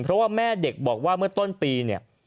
เพราะว่าแม่เด็กบอกว่าเมื่อต้นปีเนี่ย